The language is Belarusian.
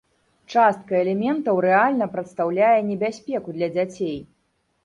Частка элементаў рэальна прадстаўляе небяспеку для дзяцей.